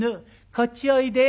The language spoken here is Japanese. こっちおいで。